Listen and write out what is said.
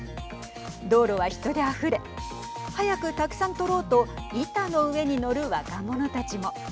道路は人であふれ早くたくさん取ろうと板の上に乗る若者たちも。